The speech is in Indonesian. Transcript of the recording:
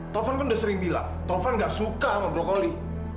taufan kan udah sering bilang taufan gak suka sama brokoli